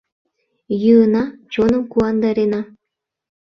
Йӱына, чоным куандарена!